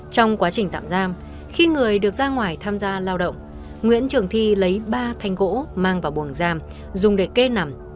trong quá trình tạm giam khi người được ra ngoài tham gia lao động nguyễn trường thi lấy ba thanh gỗ mang vào buồng giam dùng để kê nằm